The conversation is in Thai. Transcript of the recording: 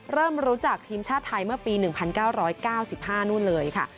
เริ่มรู้จักทีมชาติไทยเมื่อปี๑๙๙๕นู่นเลยค่ะ